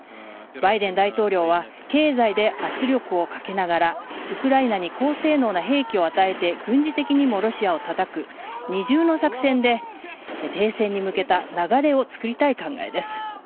バイデン大統領は経済で圧力をかけながらウクライナに高性能な兵器を与えて軍事的にもロシアをたたく二重の作戦で停戦に向けた流れを作りたい考えです。